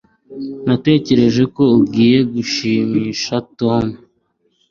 Natekereje ko ugiye gushimisha Tom.